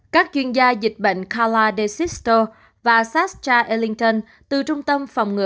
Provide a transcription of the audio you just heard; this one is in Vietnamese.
các chuyên gia dịch bệnh carla desisto và sasha ellington từ trung tâm phòng ngừa